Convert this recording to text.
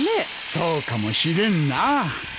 そうかもしれんな。